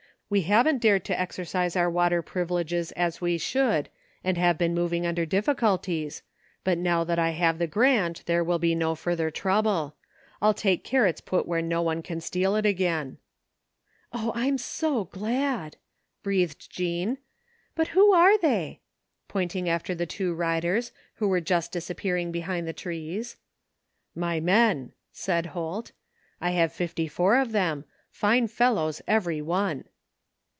We haven't dared to exercise oiu* water privileges as we should and have been moving under difficulties, but now that I have the grant there will be no further trouble. I'll take care it's put where no one can steal it again." 192 THE FINDING OF JASPER HOLT " Oh, I'm so glad/' breathed Jean, " but who are they ?" pointing after the two riders who were just disappearing behind the trees. " My men," said Holt. I have fifty four of them, fine fellows every one."